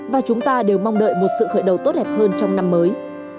và chúng ta đều mong đợi một sự khởi đầu tốt đẹp hơn trong năm mới